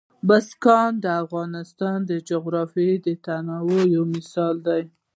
بزګان د افغانستان د جغرافیوي تنوع یو مثال دی.